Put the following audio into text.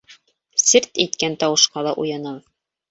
«Серт» иткән тауышҡа ла уянабыҙ.